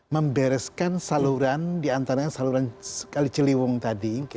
membereskan saluran di antaranya saluran ciliwung tadi